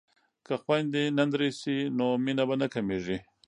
که خویندې نندرې شي نو مینه به نه کمیږي.